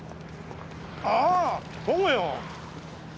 ああそうよ。